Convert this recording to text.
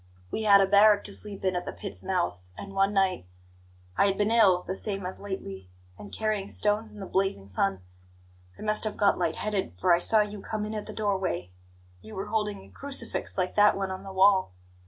We had a barrack to sleep in at the pit's mouth; and one night I had been ill, the same as lately, and carrying stones in the blazing sun I must have got light headed, for I saw you come in at the door way. You were holding a crucifix like that one on the wall.